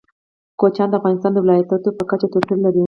کوچیان د افغانستان د ولایاتو په کچه توپیر لري.